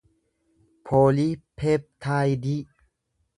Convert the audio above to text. pooliipeeptaayidii